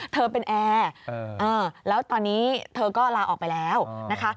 เธอเป็นแอร์แล้วตอนนี้เธอก็ลาออกไปแล้วนะคะ